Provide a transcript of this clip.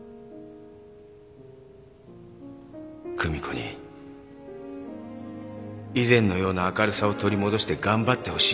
久美子に以前のような明るさを取り戻して頑張ってほしい。